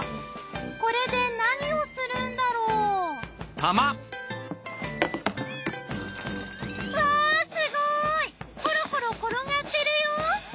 これで何をするんだろう？わすごいコロコロ転がってるよ！